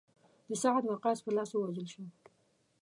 د سعد وقاص په لاس ووژل شو.